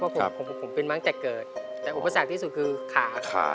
เพราะผมเป็นบางแจ่เกิดแต่อุปสรรคที่สุดคือขา